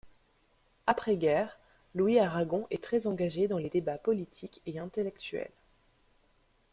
Après-guerre, Louis Aragon est très engagé dans les débats politiques et intellectuels.